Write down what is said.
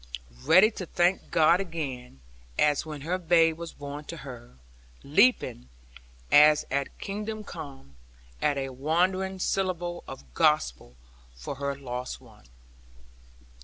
Ready to thank God again, as when her babe was born to her; leaping (as at kingdom come) at a wandering syllable of Gospel for her lost one.